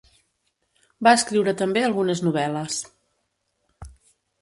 Va escriure també algunes novel·les.